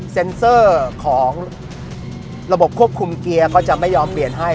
เซ็นเซอร์ของระบบควบคุมเกียร์ก็จะไม่ยอมเปลี่ยนให้